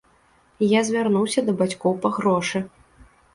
Я звярнуўся да бацькоў па грошы.